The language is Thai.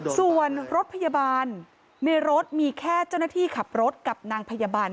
ส่วนรถพยาบาล